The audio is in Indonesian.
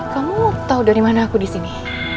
kamu mau tau dari mana aku disini